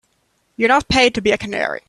You're not paid to be a canary.